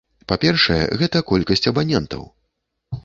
Па-першае, гэта колькасць абанентаў.